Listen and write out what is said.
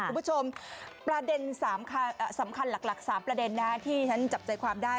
คุณผู้ชมประเด็นสำคัญหลัก๓ประเด็นนะที่ฉันจับใจความได้